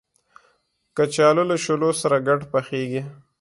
کچالو له شولو سره ګډ پخېږي